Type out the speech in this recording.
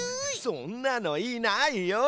そんなのいないよ。